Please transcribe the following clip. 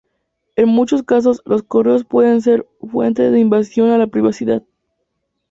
En muchos casos, los correos pueden ser fuente de invasión a la privacidad.